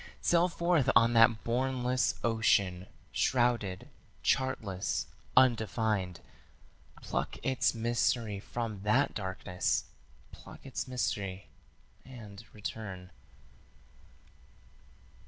Sail forth on that bournless ocean, shrouded, chartless, undefined: Pluck its mystery from that darkness; pluck its mystery and return.